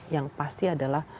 yang pasti adalah